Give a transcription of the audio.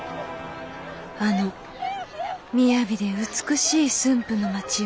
あのみやびで美しい駿府の町を。